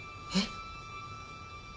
えっ！？